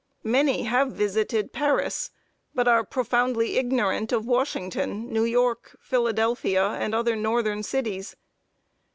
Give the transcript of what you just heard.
Many have visited Paris, but are profoundly ignorant of Washington, New York, Philadelphia, and other northern cities.